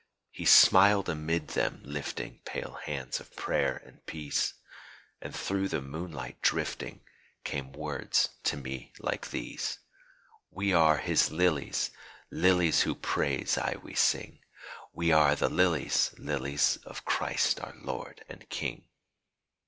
He smiled amid them lifting Pale hands of prayer and peace And through the moonlight, drifting, Came words to me like these: "We are His lilies, lilies, Whose praises aye we sing! We are the lilies, lilies Of Christ our Lord and King!"